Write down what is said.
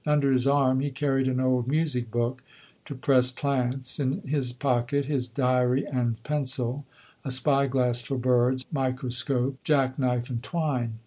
Under his arm he carried an old music book to press plants; in his pocket his diary and pencil, a spy glass for birds, microscope, jack knife, and twine.